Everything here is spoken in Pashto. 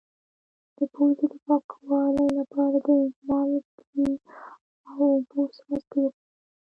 د پوزې د پاکوالي لپاره د مالګې او اوبو څاڅکي وکاروئ